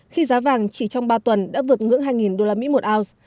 khi giá vàng chỉ trong ba tuần đã vượt ngưỡng hai usd một ounce